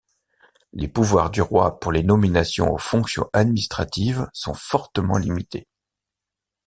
Les pouvoirs du roi pour les nominations aux fonctions administratives sont fortement limités.